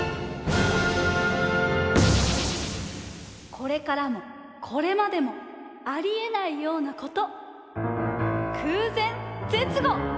これからもこれまでもありえないようなこと！